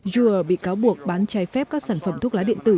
juul bị cáo buộc bán chai phép các sản phẩm thuốc lá điện tử